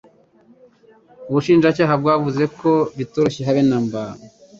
Ubushinjacyaha bwavuze ko bitoroshye habe namba